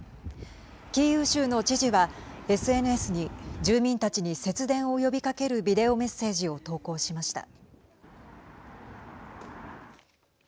キーウ州の知事はＳＮＳに住民たちに節電を呼びかけるビデオメッセージを投稿しました。